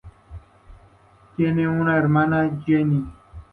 Tiene una hermana, Jenny.